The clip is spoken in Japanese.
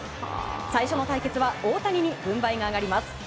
最初の対決は大谷に軍配が上がります。